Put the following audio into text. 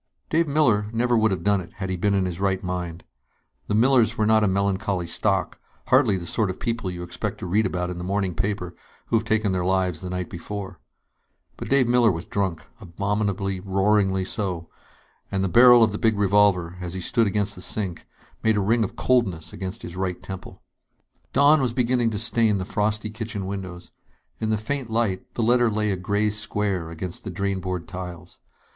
_ Dave Miller would never have done it, had he been in his right mind. The Millers were not a melancholy stock, hardly the sort of people you expect to read about in the morning paper who have taken their lives the night before. But Dave Miller was drunk abominably, roaringly so and the barrel of the big revolver, as he stood against the sink, made a ring of coldness against his right temple. Dawn was beginning to stain the frosty kitchen windows. In the faint light, the letter lay a gray square against the drain board tiles.